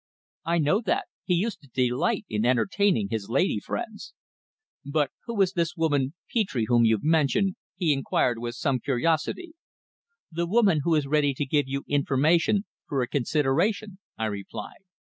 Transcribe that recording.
"I know that. He used to delight in entertaining his lady friends." "But who is this woman Petre whom you've mentioned?" he inquired with some curiosity. "The woman who is ready to give you information for a consideration," I replied.